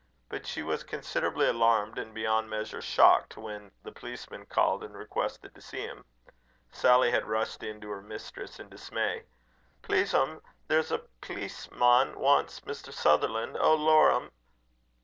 But she was considerably alarmed and beyond measure shocked when the policeman called and requested to see him. Sally had rushed in to her mistress in dismay. "Please'm, there's a pleaceman wants Mr. Sutherland. Oh! lor'm!"